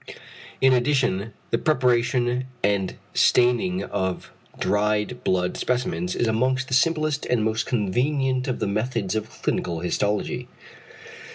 In addition the preparation and staining of dried blood specimens is amongst the simplest and most convenient of the methods of clinical histology.